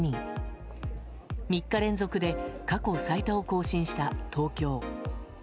３日連続で過去最多を更新した東京。